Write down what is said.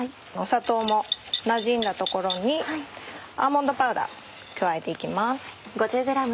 砂糖もなじんだところにアーモンドパウダー加えて行きます。